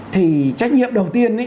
thì trách nhiệm đầu tiên